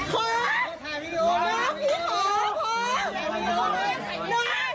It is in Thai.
เฮ้ยเฮ้ย